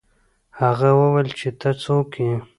هغه وویل چې ته څوک یې.